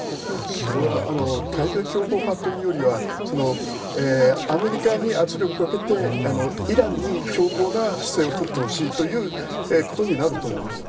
それは対米強硬派というよりはアメリカに圧力をかけてイランに強硬な姿勢を取ってほしいということになると思います。